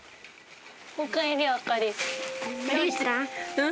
うん？